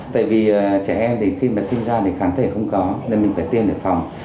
tại vì trẻ em thì khi mà sinh ra thì kháng thể không có nên mình phải tiên để phòng